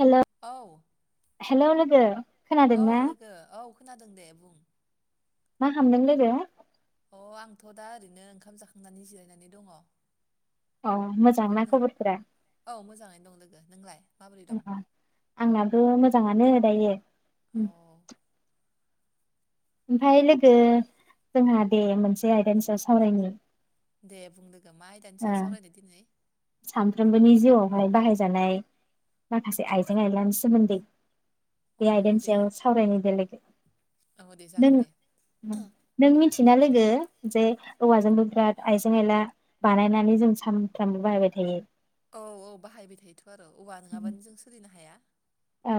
Hello औ hello लोगो खोनादों औ ना लोगो औ खोनादों दे बुं मा खालामदों लोगो अ आंथ' दा ओरैनो ओंखाम जाखांनानै जिरायनानै दङ अ मोजां ना खबरफोरा औ मोजाङैनो दं लोगो नोंलाय माबोरै दं आंना आंनाबो मोजां मोजाङानो दायो औ उम ओमफाय लोगो जोंहा दे मोनसे आयदानि सायाव सावरायनो दे बुंदो मा आयदानि सायाव सावरायदो दिनै सानफ्रोमबोनि जिउआवहाय बाहायजानाय माखासे आइजें आयलानि सोमोन्दै बे आयदानि सायाव सावरायनाय बेलेग ओ दे जागोन दे थिना लोगो जे औवाजोंबो बिराद आइजें आइला बानायनानै जों सानफ्रामबो बाहायबाय थायो औ औ बाहायबाय थायोथ' आरो औवा नङाबानो जों सोलिनो हाया औ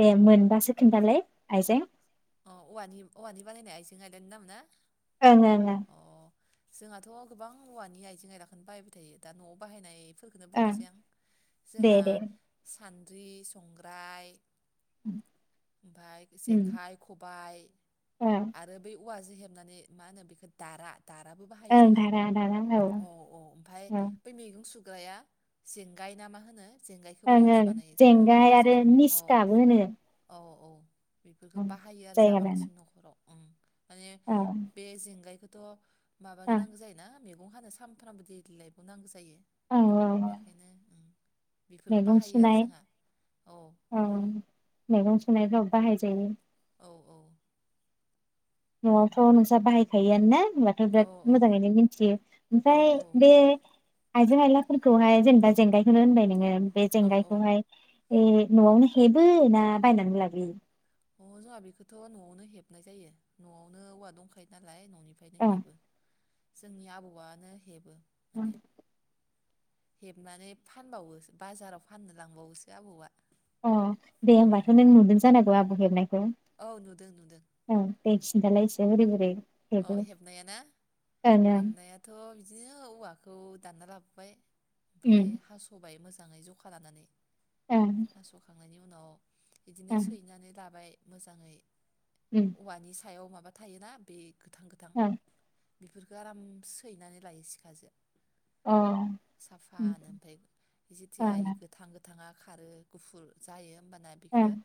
दे मोनबासो खोनथालाय आइजें अ औवानि औवानि बानायनाय आयजें आयलानि नाम ना ओं ओं अ जोंहाथ' गोबां औवानि आइजें आइलाखौनो बाहायबाय थायो दा न'आव बाहायनाय फोरखौनो ओं बुंनोसै आं दे जोंहा दे सान न्द्रि संग्राय ओमफाय उम जेखाय खबाय ओं आरो बै औवाजों हेबनानै मा होनो बेखौ दारहा दाराबो बाहायो ओं जोंहा धारा धारा औ औ ओमफ्राय औ ओं बै मैगं सु ग्राया जंगाय ना मा होनो? जेंगायखौबो इउस ओं बानायो जोंहा अ जेंगाय आरो जेंगाय औ निस्काबो होनो औ ओं [inaudible] बाहायो आरो जा जायगा लाना बांसिन नखराव ओं माने औ बे जेंगायखौ थ माबानो औ नांगौ जायो ना मैगं हानो सानफ्रामबो दैलि लाइफाव नांगौ जायो। औ औ बेखायनो ओं बेफोरखौ मैगं बाहायो आरो सुनाय जोंहा औ मैगं सुनायफोराव बाहाय जायो। औ औ नयावथ नोंस्रा बाहायखायोआनो ना होनबाथ औ बिराद औ मोजाङैनो मिथियो औ ओमफ्राय बे आइजें आइलाफोरखौहाय जेनेबा जेंगाइखौनो होनबाय नोङो बे औ औ जेंगाइखौहाय ए नयावनो हेबो ना बायनानै लाबोयो? अ जोंहा बेखौथ नयावनो हेबनाय जायो। नयावनो औवा दंखायो नालाय। ननिफ्रायनो अ हेबो। जोंनि आबौआनो हेबो। औ माने हेबनानै फानबावो बाजाराव फाननो लांबावोसो आबौआ अ दे होमबाथ नों नुदों जानांगौ आ आबौ हेबनाय खौ औ नुदों नुदों औ दे दालाय [unintelligible] अ हेबनाया ना ओं हेबनायाथ बिदिनो औवा खौ दानना लाबोबाय ओमफ्राय उम हासबाय मो जाङै जखा लानानै ओं हासखांनायनि उनाव बिदिनो ओं सैनानै लाबाय मोजाङै औवानि सायाव मा बा थायोना बे गोथां गोथां औ बेफोरखौ आराम सैनानै लायो सिखाजो अ उम साफानो ओमफ्राय जेथिया ओं इ गोथां गोथाङा खारो गुफुर जायो होमबाना ओं बेखौ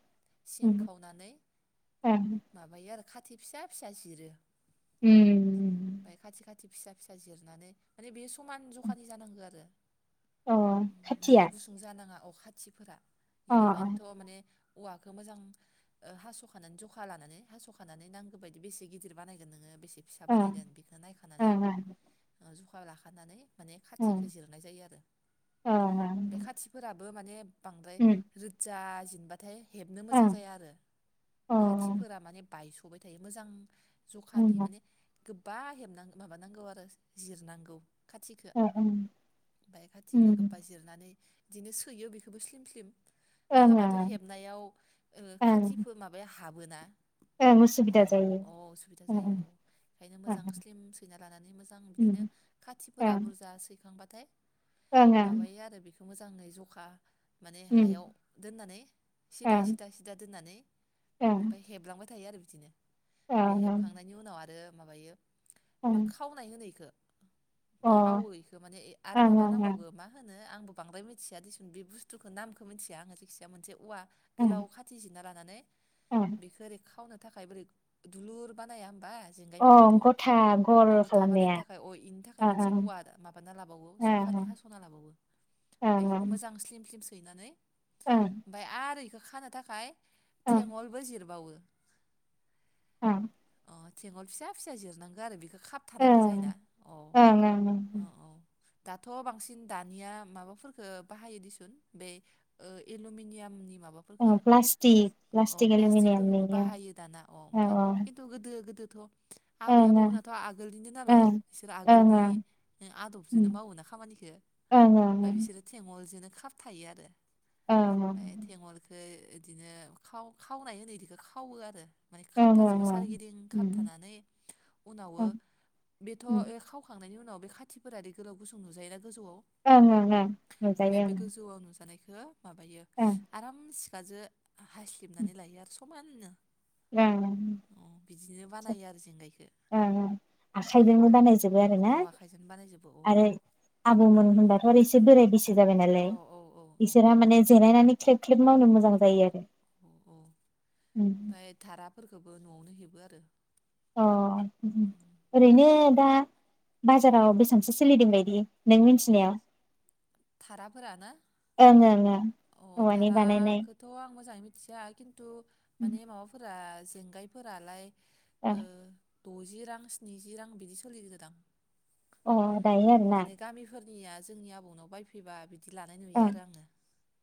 सिं उम खावनानै ओं माबायो आरो खाथि फिसा फिसा जिरो उम बाय खाथि खा खाथि फिसा फिसा जिरनानै माने बे समान जखानि जानांगौ आरो अ खाथिया गोलाव गुसुं जानाङा अ खाथिफोरा अ बेनिखायनोथ' माने औवखौ मोजां हास'खानानै जखा लानानै हास'खानानै नांगौ बायदि बेसे गिदिर बानायगोननोङो बेसे फिसा अ बानायगोन बेखौनो नायखानानै ओं ओं ज' जखा लाखानानै माने ओं खाथिखौ जिरनाय जायो आरो ओं बे खाथिफोराबो माने बांद्राय उम रोजा बाथाय हेबनो मोजां ओं जाया आरो अ ओं खाथिफोरा माने बायस' नुबाय थायो मोजां जखानि माने गोबां बा हेबनां माबानांगौ आरो जिरनांगौ खाथिखो ओ ओं ओमफ्राय खाथिखौ उम गोबा जिरनानै बिदिनो सैयो बेखौबो स्लिम स्लिम ओं नङाबाथ' ओं हेबनायाव ओं खाथिफोर माबाया हाबो हाबोना ओं अ उसुबिदा जायो अ उसुबिदा जायो ओं ओंखायनो ओं मोजां स्लिम सैना लानानै मोजां बिदिनो उम खाथिफोरा ओं बुरजा सैखांबाथाय ओं ओं माबायो आरो बेखौ मोजाङै जखा माने उम हायाव दोननानै सिदा ओं सिदा सिदा दोननानै ओं ओमफ्राय हेबलांबाय थायो आरो बिदिनो ओमफ्राय ओं हेखांनायनि उनाव आरो माबायो। ओं खावनाय होनो इखो ओं खावो बेखौ माने अ आरो ओं माबा ओं ओं नांबावगो मा होनो। आंबो बांद्राय मिथिया दिसुन बे बुस्थुखौ नामखौ मिन्थिया आङो जायखिजाया मोनसे औवा ओं गोलाव खाथि जिरना लाना होननानै ओं बेखौ ओरै खावनो थाखाय बोरै दुलुर बानाया बा अ जेंगायफोरखौथ' गथा गल अ गथा बानायनो खालामनाया थाखाय अ इनि थाखाय ओं मोनसे ओं औवा माबाना लाबावो ओं जखानि हास'ना लाबावो ओं बेखौबो मोजां स्लिम स्लिम सैनानै ओं ओमफाय आरो इ खानो थाखाय। ओं थेंगलबो जिरबावो। ओ अ थेंगल फिसा फिसा जिरनांगो आरो बेखौ। खाब थानांगौ ओं जायोना औ ओं ओं औ ओं औ। दाथ' बांसिन दानिया माबाफोरफोरखौ बाहायो दिसुन बे ओ एलमिनियामनि माफोरखौबो ओं प्लास्टिक ओ प्लास्टिक प्लास्टिकफोरखौबो एलमिनियामनि औ बाहायो दाना अ औ ओमफ्राय गोदो गोदोथ' आबै ओं ओं आबौमोनाथ' आगोलनिनो नालाय ओं बिसोर ओं आगोलनि ओं उम आदबजोंनो मावो ना खामानिखौ ओं ओं ओमफ्राय बिसोरो थेंगलजोंनो खाबथायो आरो ओ ओं इदिनो खाव खावनाय होनो इदिखौ खावो आरो। माने ओं खाबथा ओं जोबो ओं सारिगिदिं उम खाबथानानै उनावो ओं बेथ' उम खावखांनायनि उनाव बे खाथिफोरादि गोलाव गसुं नुजायो ना गोजौयाव ओं ओं ओं बे नुजायो बे ओं गोजौयाव नोजानायखौ हो माबायो ओं आरामसे गाजो हास्लिबनानै लायो आरो खमाननो [unintelligible] उम ओं बानायो आरो जेंगायखौ ओं आखाइजोंबो बानायजोबो आरो ना अ आखाइजोंनो बानायजोबो आरो अ आबौमोन होनबाथ' ओ एसे बोराय बैसो जाबाय नालाय औ औ औ औ बिसोरहा माने जिरायनानै ख्लेब ख्लेब मावनो मोजां जायो आरो अ अ ओमफ्राय थारा फोरखौबो न'आवनो हेबो आरो अ उम उ‌म ओरैनो दा बाजाराव बेसांसो सोलिदों बायदि नों मिनथिनायाव धाराफोरा ना ओं अ औवानि बानायनाय धाराखौथ' आं मोजाङै मि थिया खिन तु माने माबाफोरा जेंगायफोरालाय ओं ओ द'जि रां स्निजि रां बिदि सोलिदोदां अ दायो आरोना निया जोंनि आबौनाव बाय फैबा बि दि लानाय नुयो ओं आरो आङो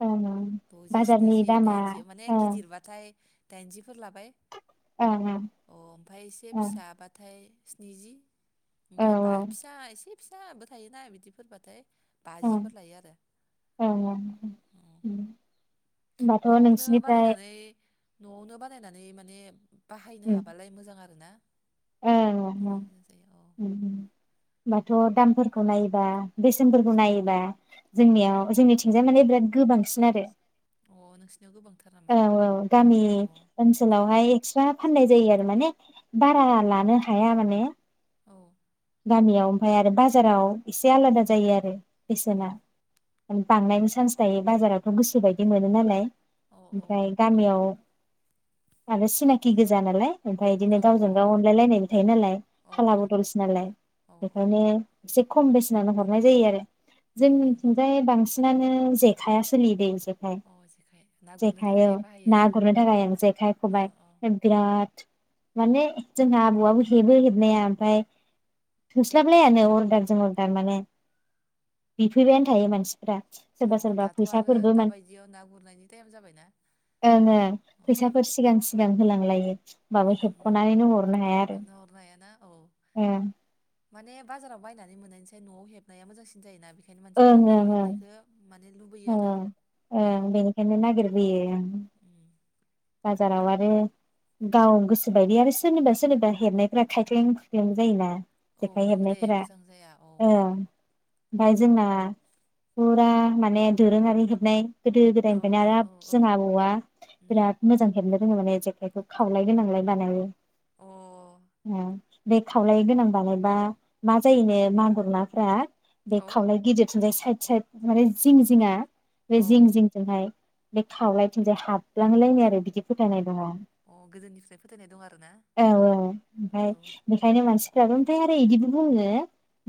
ओं ओं द'जि बाजारनि स्निजि दामा दाइनजि माने ओं गिदिरबाथाय दाइनजिफोर लाबाय ओं ओं अ ओमफ्राय एसे ओं फिसाबाथाय स्निजि औ ओमफ्राय बा फिसा एसे फिसाबो थायोना बिदिफोरबाथाय बाजि ओं ओं ओं उम आरो होनबाथ' न'आवनो नोंसिनिफ्राय बानायनानै न'आवनो बानायनानै माने बाहायनो हाबालाय मोजां आरो ना [unintelligible] थ' दामफोरखौ नायोबा बेसेनफोरखौ नायोबा जोंनियाव जोंनिथिंजाय माने बिराद गोबांसिन आरो अ नोंसि औ औ गामि ओनसोलावहाय एक्सट्रा फाननाय जायो आरो माने बारा लानो हाया माने गामियाव ओमफाय आरो बाजाराव एसे आलादा जायो आरो अ औ बिसोरना बांनायनि सान्स दायो बाजारावथ' गोसोबायदि मोनो नालाय औ ओमफ्राय गामियाव आरो सिनाखि गोजा नालाय ओमफ्राय औ बिदिनो गावजों गाव अनलाय लायनाय थायो नालाय औ फाला बदलसो औ औ बेखायनो एसे खम बेसेननो हरनाय जायो आरो उम उम उम जोंनिथिंजाय बांसिनानो जेखाइया सोलियोदै जे खाइ अ जेखाइ ना गुरनो जेखाइ थाखाय बाहायोना ना गुरनो थाखाय ओं जेखाइ अ खबाइ अ बिराद माने जोंहा आबौआबो हेबो हेबनाया ओमफाय थोस्लाबलायानो अर्दारजों अर्दार माने बिफैबायानो थायो मानसिफ्रा अ सोरबा सोरबा दाथ' आरो फैसाफोरबो मान दाबायदियाव ना गुरनायनि टाइम जाबायना ओं ओं अ फैसाफोर सिगां सिगां होलांलायो होमबाबो उम उम हेबख'नानैनो हरनो हाया आरो हेबना हरनो हायाना औ ओ माने बाजाराव बायना मोननायनिसाय न'आव हेबनाया मोजांसिन जायोना बे ओंखायनो मानसिफोरा न'आव हेबनायखो औ ओं ओं बेनिखायनो नागिरबोयो ओं उम [unintelligible] बाजाराव आरो गाव गोसोबायदि आरो सोरनिबा सोरनिबा हेबनायफ्रा खायख्लें खुख्लें जायोना औ जेखाइ नंगौ दे हेबनायफोरा मोजां जाया औ ओमफाय जोंना फुरा माने दोरोङारि हेबनाय गोदो औ गोदायनिफ्रायनो औ आरो औ औ जोंहा आबौआ उम बिराद मोजां हेबनो रोङो माने जेखाइखौ खावलाय गोनांलाय बानायो अ [unintelligible] बे खावलाय गोनां बानायबा मा जायोनो मागुर नाफ्रा बे औ खावलनाय गिदिरथिंजाय साइद साइद माने जिं जिं जिङा बे औ जिं जिं जोंहाय बे खावलायथिंजाय हाबलांलायनाय आरो बिदि फोथायनाय दङा अ गोजोनिफ्राय फोथायनाय दं आरो ना औ थाय आरो बिदिबो बुङो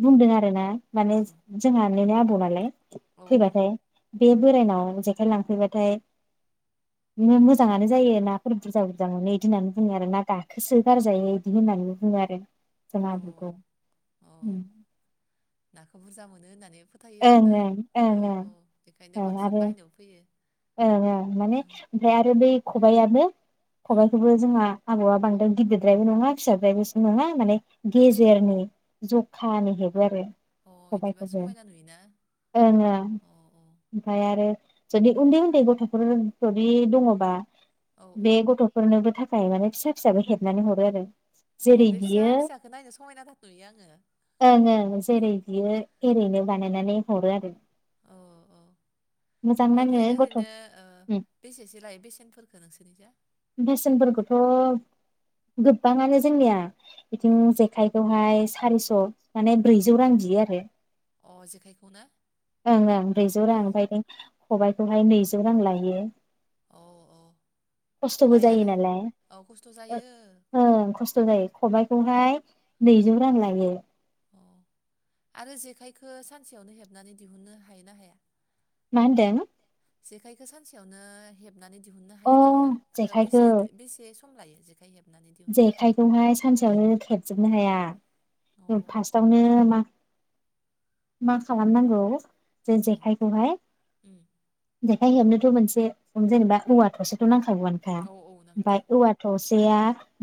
बुंदों आरोना माने उम जोंहा निनो बुङो नालाय औ फैबाथाय बे बोरायनाव जेखाय लांफैबाथाय बिनो मोजाङानो जायो नाफोर बुरजा बुरजा मोनो बिदि होननानै बुङो आरो ना गाखोसो गारजायो बिदि होननानै बुङो आरो जोंहा औ आबौखौ औ नाखौ बुरजा मोनो होननानै फोथायो ओं आरोना ओं ओं औ ओं औ बेखायनो ओं बांसिन आरो बायनोबो फैयो ओं ओं माने उम ओमफ्राय आरो बै खबायाबो उम खबायाइखौबो जोंहा आबौआ बांद्राय गिदिरद्रायबो नङा फिसाद्रायबोसो नङा माने गेजेरनि जखानि हेबो आरो अ इदिबा खबाइखौबो समायना नुयो ओं ओमफाय आरो जुदि उन्दै उन्दै गथ'फोर जुदि दङबा औ औ बे गथ'फोरनोबो थाखाय माने फिसा फिसाबो हेबनानै हरो आरो अ जेरै बे फिसा बियो फिसाखौ नायनो समायना थाथ'यो आङो ओं ओं ओ जेरै बियो एरैनो बानायनानै हरो आरो अ औ मोजां ओमफ्राय बे नाङो गथ' ओरैनो ओ बेसेसो लायो बेसेनखो नोंसोरनि जा बेेसेनफोरखौथ' गोबाङानो जोंनिया बिदिनो उम जेखायखौहाय सारिस' माने ब्रैजौ रां बियो आरो अ जेखाइखौना ओं ओं ब्रैजौ औ रां बायदों खबाइ बेखौहाय नैजौ रां लायो औ औ खस्थ'बो जायो खबायालाय नालाय औ खस्थ' जायो ओ खस्थ' जायो खबाइखौहाय नैजौ रां लायो अ आरो जेखाइखो सानसेयावनो हेबनानै दिहुननो हायो ना हाया मा होनदों जेखायखौ सानसेयावनो हेब नानै दिहुननो अ हायो ना हाया जेखायखौ बेसे बेसे सम लायो जेखाय हेब जेखायखौहाय सानसेयावनो खेबजोबनो हाया अ [inaudible] फार्स्टावनो मा मा खालाम नांगौ जों उम जेखायखौहाय उम जेखाय हेबनोथ' मोनसे जेनेबा औवा थसेथ' नां खा औ औ नांगो दे ओमफ्राय औवाथ' जैया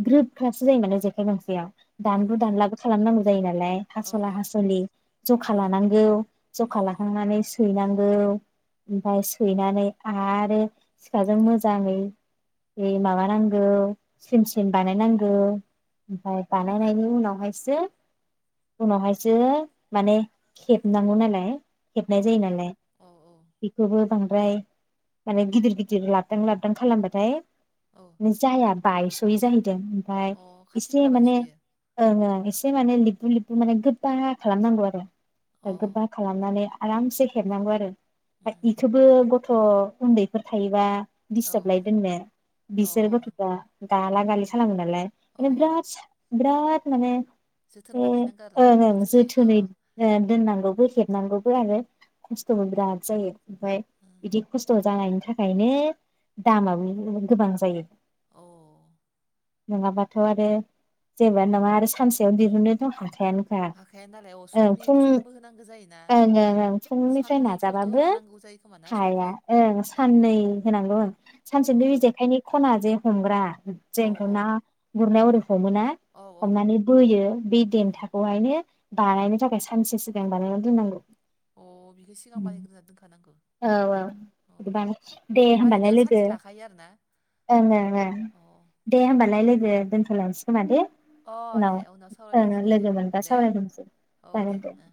ग्रोब ग्राबसो जायो माने जेखाइ गंसेया औ दानलु औ दानलाबो खालामनांगौ जायो नालाय औ हास'ला औ हास'लि जखा उम लानांगौ जखा उम उम लाखांनानै सैनां ओव ओमफाय सैनानै आरो सिखाजों मोजाङै ओइ माबानांगौ सोमसि जों बानायनांगौ ओमफाय बानायनायनि उनावहायसो उनावहायसो माने खेबनांगौ नालाय हेबनाय अ जायो नालाय औ औ बेखौबो बांद्राय माने गिदिर गिदिर लाबदां लाबदां खालामबाथाय औ मो जाया बाइस बै जाहैदों फाय अ इसे खाथिफोरा माने बायस'यो ओंआं एसे माने लिबु लिबु माने गोबा खालामनांगौ आरो अ ओ गोब्बा खालामनानै आरामसे हेबनांगौ आरो बा उम इखोबो ग' थ' उन्दैफोर थायोबा औ दिस्टाब लायदोंनो अ बिसोर गथ'फ्रा गाला गालि खालामो नालाय औ औ [unintelligible] बेराद माने जोथोन ओ लाखिनांगौ आरोना ओं ओं अ जोथोनै ओ दोननांगौ बेखे नांगौफोरानो खस्थ'बो बिराद जायो ओमफाय बिदि खस्थ' जानायनि थाखायनो दामाबो गोबां जायो अह नोङाबाथ' आरो जेबोआनो नङा आरो सानसेयाव दिहुननो थाखा खायानोखा हाखाया नालाय अ औ समनि फुं समबो होनांगौ जायोना ओं अ ओं ओं फुंनिफ्राय साननैफोरथ' नाजाबाबो होखानांगौ जायो खोमा ना हाया समखौ ओं साननै होनांगौ ओं अ सानसेनि बे जेखाइनि खना जे हमग्रा औ जेंखौ ना गुरनायाव ओरो हमोना औ औ हमनानै बोयो बै उम देन्थाखौहायनो बानायनो थाखाय सानसे सिगां बानायना दोननांगौ अ बिखो सिगां औ बानायग्रोना दोनखानांगौ औ अ बिदिबानो दे अ बे होमबालाय बानायनायावनो लोगो सानसे लाखायो आरोना ओं ओं ओं अ दे होमबालाय लोगो दोनथ'लानसि खोमा दे अ दे उनाव ओं सावरायलायसिगोन दे लोगो मोनबा दे सावरायफिनसै औ जागोन दे ओ